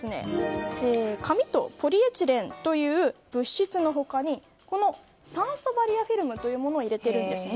紙とポリエチレンという物質の他に酸素バリアフィルムというものを入れているんです。